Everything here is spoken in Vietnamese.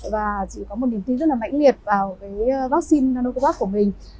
và chị có một niềm tin rất là mạnh liệt vào cái vaccine narocovac của mình